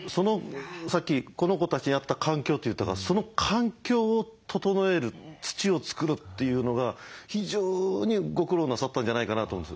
さっき「この子たちに合った環境」って言ったからその環境を整える土を作るっていうのが非常にご苦労なさったんじゃないかなと思います。